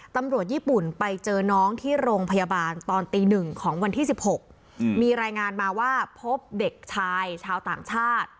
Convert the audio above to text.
ตำรวจญี่ปุ่นไปเจอน้องที่โรงพยาบาลตอนตี๑ของวันที่๑๖มีรายงานมาว่าพบเด็กชายชาวต่างชาติ